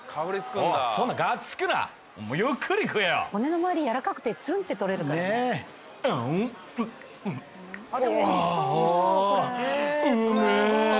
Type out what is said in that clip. そんながっつくなゆっくり食えよ骨のまわりやわらかくてツルンってとれるからあうんうわーっあーウメえ